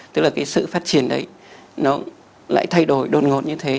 tức là cái sự phát triển đấy nó lại thay đổi đột ngột như thế